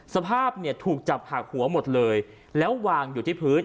สภาพเนี่ยถูกจับหักหัวหมดเลยแล้ววางอยู่ที่พื้น